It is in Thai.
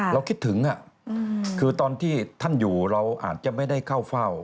เราคิดถึงคือตอนที่ท่านอยู่เราอาจจะไม่ได้เข้าเฝ้า